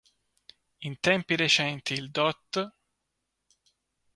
In tempi recenti il dott.